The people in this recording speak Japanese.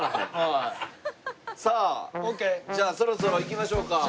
さあじゃあそろそろ行きましょうか。